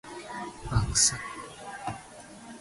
Bangsat!